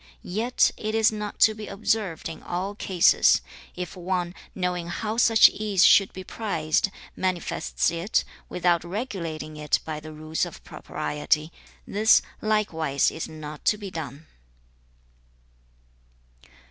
'Yet it is not to be observed in all cases. If one, knowing how such ease should be prized, manifests it, without regulating it by the rules of propriety, this likewise is not to be done.'